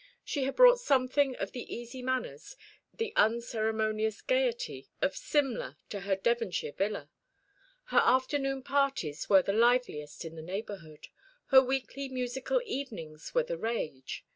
She had brought something of the easy manners, the unceremonious gaiety, of Simla to her Devonshire villa. Her afternoon parties were the liveliest in the neighbourhood. Her weekly musical evenings were the rage.